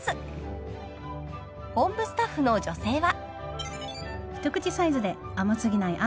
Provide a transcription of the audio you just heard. ［本部スタッフの女性は］